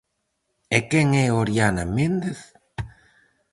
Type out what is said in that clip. E quen é Oriana Méndez?